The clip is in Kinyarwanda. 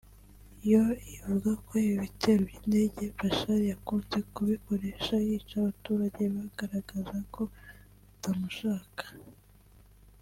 yo ivuga ko ibi bitero by’indege Bashar yakunze kubikoresha yica abaturage bagaragazaga ko batamushaka